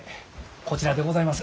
こちらでございます。